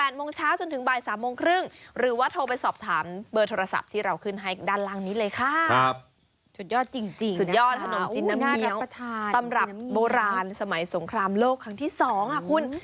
น่ารับประทานตำรับโบราณสมัยสงครามโลกครั้งที่๒คุณ